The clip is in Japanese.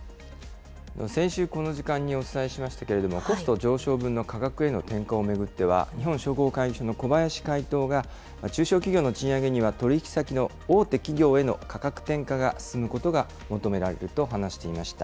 先週、この時間にお伝えしましたけれども、コスト上昇分の価格への転嫁を巡っては、日本商工会議所の小林会頭が、中小企業の賃上げには、取り引き先の大手企業への価格転嫁が進むことが求められると話していました。